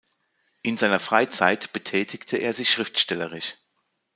In seiner Freizeit betätigte er sich schriftstellerisch.